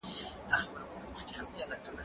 زه به د کتابتون کتابونه لوستي وي؟